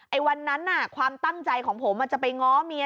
วันนั้นความตั้งใจของผมจะไปง้อเมีย